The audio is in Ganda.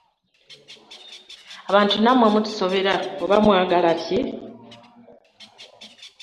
Abantu nammwe mutusobera oba mwagala ki?